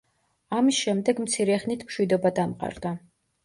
ამის შემდეგ მცირე ხნით მშვიდობა დამყარდა.